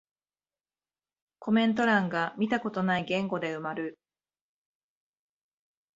コメント欄が見たことない言語で埋まる